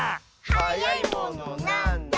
「はやいものなんだ？」